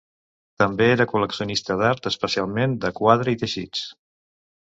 També era col·leccionista d'art, especialment de quadre i teixits.